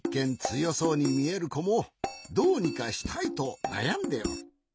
つよそうにみえるこもどうにかしたいとなやんでおる。